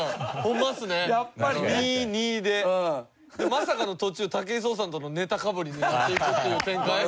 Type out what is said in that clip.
まさかの途中武井壮さんとのネタかぶりになっていくっていう展開。